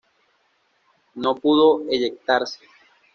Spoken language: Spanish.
No pudo eyectarse.